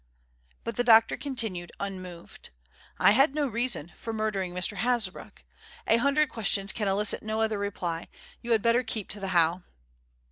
But the doctor continued unmoved: "I had no reason for murdering Mr. Hasbrouck. A hundred questions can elicit no other reply; you had better keep to the how."